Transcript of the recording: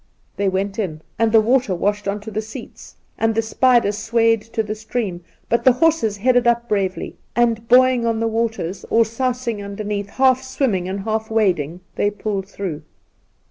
They went in, and the water washed on to I J 2 Induna Nairn the seats, and the spider swayed to the stream ; but the horses headed up bravely, and buoying on the waters, or sousing underneath, half swimming and half wading, they pulled through.